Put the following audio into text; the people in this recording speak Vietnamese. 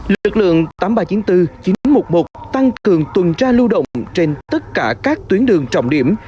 lực lượng tám nghìn ba trăm chín mươi bốn chín trăm một mươi một tăng cường tuần tra lưu động trên tất cả các tuyến đường trọng điểm